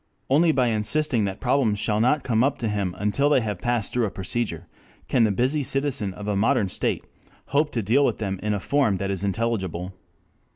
Only by insisting that problems shall not come up to him until they have passed through a procedure, can the busy citizen of a modern state hope to deal with them in a form that is intelligible.